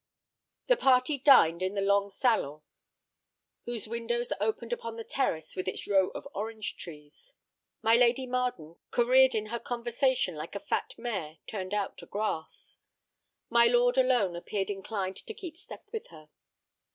The party dined in the long salon whose windows opened upon the terrace with its row of orange trees. My Lady Marden careered in her conversation like a fat mare turned out to grass. My lord alone appeared inclined to keep step with her.